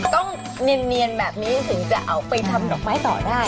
ต้องเนียนแบบนี้ถึงจะเอาไปทำดอกไม้ต่อได้